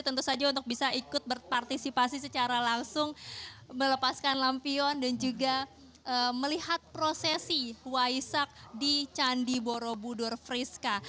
tentu saja untuk bisa ikut berpartisipasi secara langsung melepaskan lampion dan juga melihat prosesi waisak di candi borobudur friska